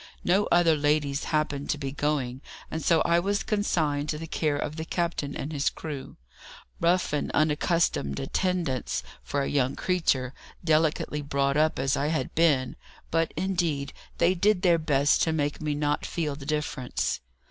No other ladies happened to be going, and so I was consigned to the care of the captain and his crew rough and unaccustomed attendants for a young creature, delicately brought up as I had been; but, indeed, they did their best to make me not feel the difference.